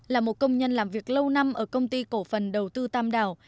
là một công nhân làm việc lâu năm ở công ty cổ phần đầu tư tam đảo